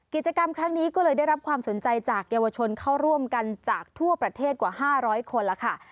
กิจกรรมครั้งนี้ก็เลยได้รับความสนใจจากเยาวชนเข้าร่วมกันจากทั่วประเทศกว่า๕๐๐คนแล้วค่ะ